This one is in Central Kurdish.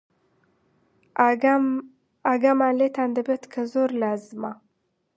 ئاگامان لێتان دەبێ، کە زۆر لازمە